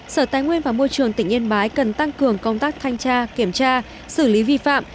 sở tài nguyên và môi trường tỉnh yên bái cần tăng cường công tác thanh tra kiểm tra xử lý vi phạm